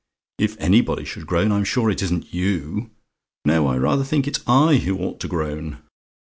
If anybody should groan, I'm sure it isn't you. No: I rather think it's I who ought to groan!